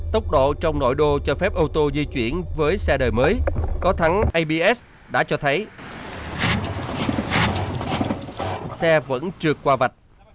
tốc độ trong nội đô cho phép ô tô di chuyển với xe đời mới có thắng abs đã cho thấy xe vẫn trượt qua vạch